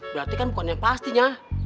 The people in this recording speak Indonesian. berarti kan bukan yang pastinya